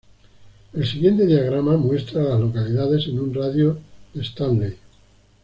El siguiente diagrama muestra a las localidades en un radio de de Stanley.